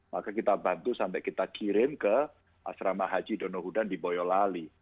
maka kita bantu sampai kita kirim ke asrama haji donohudan di boyolali